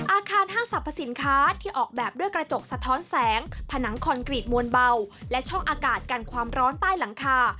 ห้างสรรพสินค้าที่ออกแบบด้วยกระจกสะท้อนแสงผนังคอนกรีตมวลเบาและช่องอากาศกันความร้อนใต้หลังคา